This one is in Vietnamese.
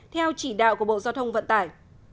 theo chỉ đạo của bộ giao thông vận tải